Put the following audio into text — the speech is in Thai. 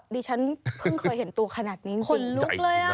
ดิฉันเพิ่งเคยเห็นตัวขนาดนี้จริง